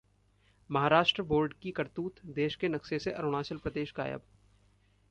Maharashtra board की करतूत, देश के नक्शे से अरुणाचल प्रदेश गायब